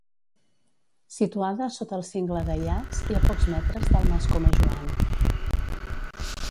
Situada sota el cingle d'Aiats i a pocs metres del mas Comajoan.